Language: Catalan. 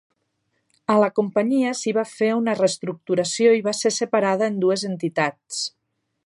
A la companyia s'hi va fer una reestructuració i va ser separada en dues entitats.